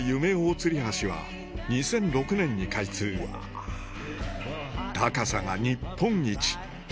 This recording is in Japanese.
吊橋は２００６年に開通高さが日本一うわ！